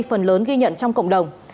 phần lớn ghi nhận trong cộng đồng